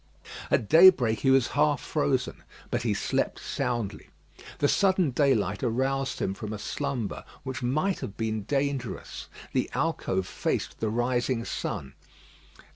At daybreak he was half frozen; but he slept soundly. The sudden daylight aroused him from a slumber which might have been dangerous. The alcove faced the rising sun.